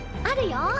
あるよ。